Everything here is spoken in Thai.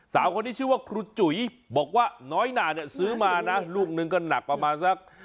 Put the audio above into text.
สาวคนนี้ชื่อว่าครูจุ๋ยบอกว่าน้อยหนาเนี่ยซื้อมานะลูกนึงก็หนักประมาณสัก